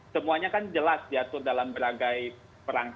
semuanya kan jelas diatur dalam beragai perangkat